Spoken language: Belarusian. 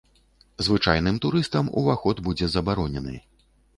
Звычайным турыстам уваход будзе забаронены.